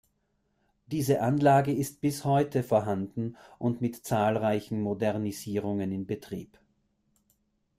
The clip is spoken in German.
Diese Anlage ist bis heute vorhanden und mit zahlreichen Modernisierungen in Betrieb.